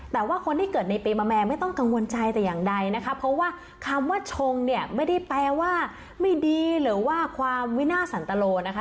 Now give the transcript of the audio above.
แต่ว่าคนที่เกิดในปีมะแม่ไม่ต้องกังวลใจแต่อย่างใดนะคะเพราะว่าคำว่าชงเนี่ยไม่ได้แปลว่าไม่ดีหรือว่าความวินาทสันตโลนะคะ